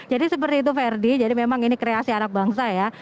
seperti itu ferdi jadi memang ini kreasi anak bangsa ya